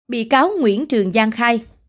bị cáo nguyễn trường giang khai